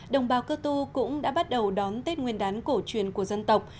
đồng bào cơ tu cũng đã bắt đầu đón tết nguyên đán cổ truyền của dân tộc